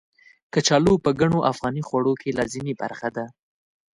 کچالو په ګڼو افغاني خوړو کې لازمي برخه ده.